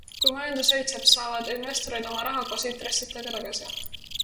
Kui majandus õitseb, saavad investorid oma raha koos intressidega tagasi.